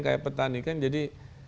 kaya petani kan jadi